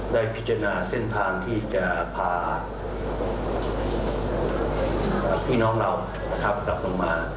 ได้พิจารณาเส้นทางที่จะพาพี่น้องเรากลับลงมา